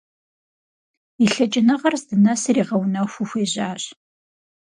И лъэкӀыныгъэр здынэсыр игъэунэхуу хуежьащ.